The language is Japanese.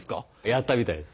やったみたいです。